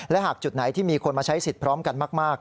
และหากจุดไหนที่มีคนมาใช้สิทธิ์พร้อมกันมาก